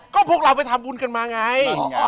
ก็พวกเราไปทำบุญกันมาไง